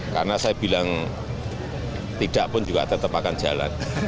karena saya bilang tidak pun juga tetap akan jalan